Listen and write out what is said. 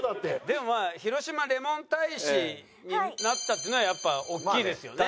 でも広島レモン大使になったっていうのはやっぱ大きいですよね。